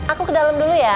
aku ke dalam dulu ya